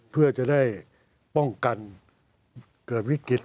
เพื่อจะได้ป้องกันเกิดวิกฤต